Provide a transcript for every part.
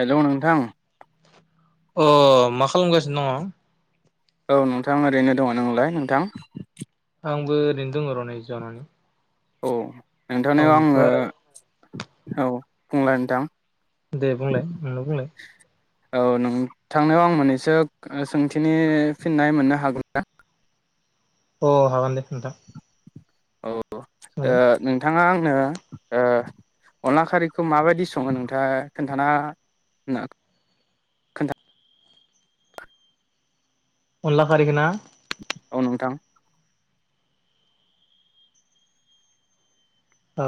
Hello नोंथां अ मा खालामगासिनो दङ? औ नोंथां ओरैनो दङ नोंलाय नोंथां। आंबो ओरैनो दङ र नै जनानै। औ। नोंथांनियाव आङो ओमफ्राय औ बुंलाय नोंथां। दे बुंलाय नोंनो बुंलाय औ नोंथांनायाव आं मोननैसो सोंथिनि फिननाय मोननो हागौ ना? अ हागोन दे नोंथां। औ। ओ सोंलाय नोंथाङा आं [unintelligible] अनला खारिैखौ माबायदि सङो नोंथाङा खोन्थाना हो [inaudible] अनला खारिखो ना। औ नोंथां। ओ।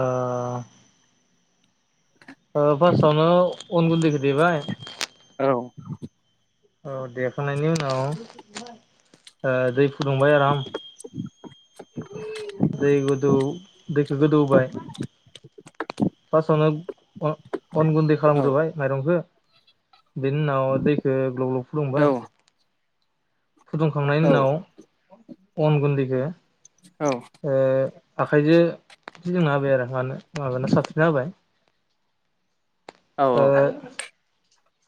ओ फास्टआवनो अन गुन्दैखो। देबाय औ औ देखांनायनि उनाव ओ दै फु दुंबाय आराम [inaudible] दै गोदौ दैखौ गोदौहोबाय फासआवनो अन अन गुन्दै औ खालामग्रोबाय माइरंखो बिनि उनाव दैखौ ग्लब ग्लब औ फुदुंबाय फुदुंखांनायनि औ उनाव अन गुन्दैखौ। औ ओ। आखाइजो इदि जोंना होबाय आरो मानो माबाना साबसिन हाबाय औ ओ।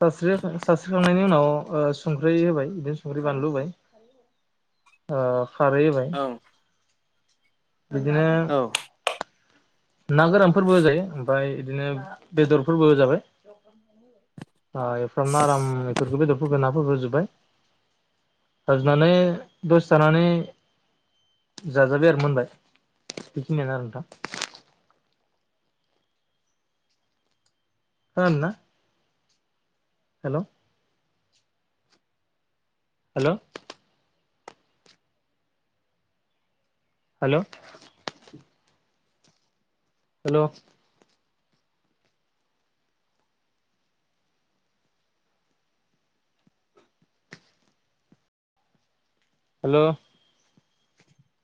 सास्रि सास्रिखांनायनि उनाव ओ संख्रि होबाय बिदिनो संख्रि बानलु होबाय ओ खारै होबाय औ बिदिनो। ना गोरानफोरबो होजायो ओमफाय इदिनो बेदरफोरबो होजाबाय। आ एफाराम औ आराम एफोरखौ बेदरफोरखौ ना। होहोजोबाय होजोबनानै दसे थानानै जाजाबाय आरो मोनबाय बेखिनियानो आरो नोंथां। [inaudible] हेल' हेल' हेल हेल' हेल'